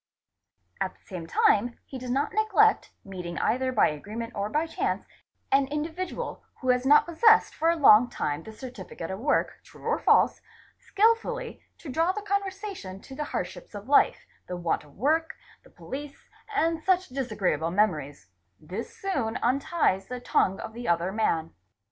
At the same time he does not neglect, meeting either by agreement or by chance an individual who has not possessed for a long time a certificate of work, true or false, skilfully to draw the conversation to the hardships of life, the want of work, the police, and such disagreeable memories ; this soon unties the tongue of the other man.